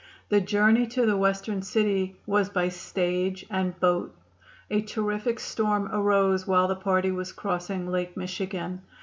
The journey to the Western city was by stage and boat. A terrific storm arose while the party was crossing Lake Michigan.